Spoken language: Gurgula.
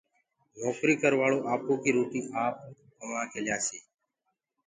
نوڪري ڪروآݪو آپو ڪيِ روٽيِ آپ ڪيآسي۔